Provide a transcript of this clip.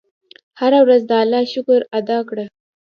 هره ورځ د الله شکر ادا کړه.